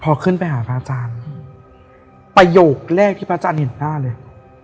พอขึ้นไปหาพระอาจารย์ประโยคแรกที่พระอาจารย์เห็นหน้าเลย